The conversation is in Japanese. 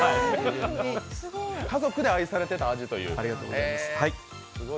家族で愛されてる味という。